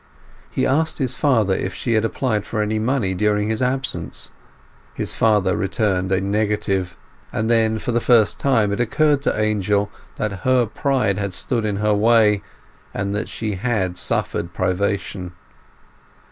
He asked his father if she had applied for any money during his absence. His father returned a negative, and then for the first time it occurred to Angel that her pride had stood in her way, and that she had suffered privation.